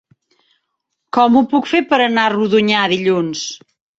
Com ho puc fer per anar a Rodonyà dilluns?